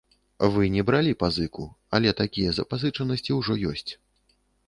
Вы не бралі пазыку, але такія запазычанасці ўжо ёсць.